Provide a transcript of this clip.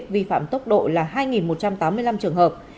vi phạm tốc độ là hai một trăm tám mươi năm trường hợp